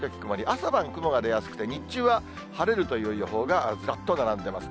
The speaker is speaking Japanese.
朝晩雲が出やすくて、日中は晴れるという予報が、ずらっと並んでます。